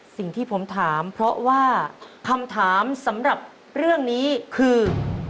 สิ่งที่ผมถามเพราะว่าคำถามสำหรับเรื่องนี้คือ